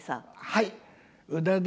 はい。